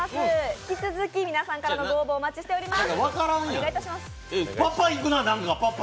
引き続き、皆さんからの応募をお待ちしております。